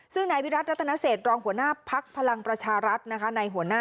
ซึ่งนายวิทยารัจรัตนาเศษรองหัวหน้าพักภารังประชารัทธ์